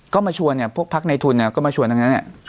ก็มาชวนพวกพักในทุนก็มาชวนทั้งนั้น